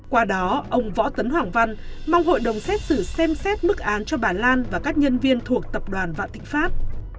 qua đó ông võ tấn hoàng văn mong hội đồng xét xử xem xét mức án cho bà lan và các nhân viên thuộc tập đoàn vạn thịnh pháp